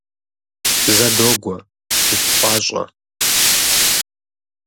Зэ, догуэ, умыпӏащӏэ!